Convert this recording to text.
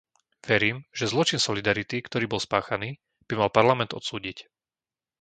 Verím, že zločin solidarity, ktorý bol spáchaný, by mal Parlament odsúdiť.